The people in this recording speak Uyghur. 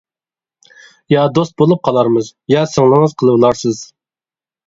يا دوست بولۇپ قالارمىز، يا سىڭلىڭىز قىلىۋالارسىز.